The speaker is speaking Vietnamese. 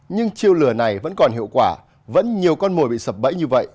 nhưng chiêu lừa này vẫn còn hiệu quả vẫn nhiều con mồi bị sập bẫy như vậy